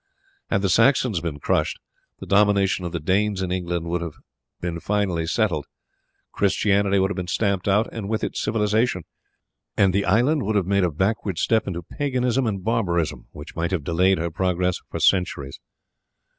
Had the Saxons been crushed, the domination of the Danes in England would have been finally settled. Christianity would have been stamped out, and with it civilization, and the island would have made a backward step into paganism and barbarism which might have delayed her progress for centuries.